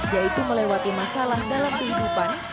yaitu melewati masalah dalam kehidupan